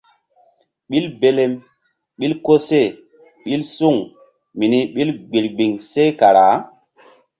Ɓil belem ɓil koseh ɓil suŋ mini birbiŋ seh kara.